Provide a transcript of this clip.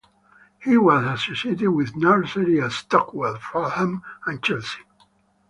He was associated with nurseries at Stockwell, Fulham and Chelsea.